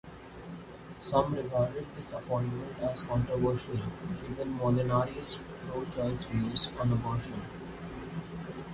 Some regarded this appointment as controversial, given Molinari's pro-choice views on abortion.